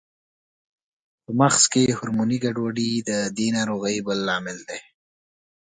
په مغز کې هورموني ګډوډۍ د دې ناروغۍ بل لامل دی.